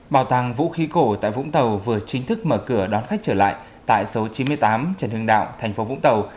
bảo tàng vũ khí cổ tại vũng tàu vừa chính thức mở cửa đón khách trở lại tại số chín mươi tám trần hưng đạo thành phố vũng tàu